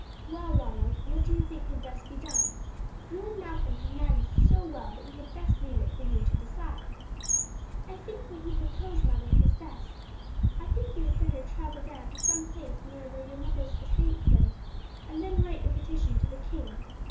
Well, Ronald, what do you think had best be done? You and Malcolm have managed so well that we had best leave it for you to decide." "I think what you propose, mother, is best. I think you had better travel down to some place near where your mother's estates lay, and then write your petition to the king.